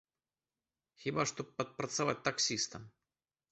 Хіба што падпрацаваць таксістам.